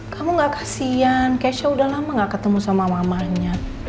kamu gak kasian kesha udah lama gak ketemu sama mamanya